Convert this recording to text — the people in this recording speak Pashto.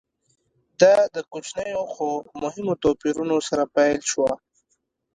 دا د کوچنیو خو مهمو توپیرونو سره پیل شوه